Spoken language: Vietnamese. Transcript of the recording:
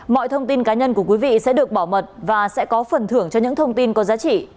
mọi thông tin cá nhân của quý vị sẽ được bảo mật và sẽ có phần thưởng cho những thông tin có giá trị